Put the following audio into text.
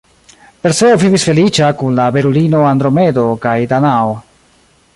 Perseo vivis feliĉa kun la belulino Andromedo kaj Danao.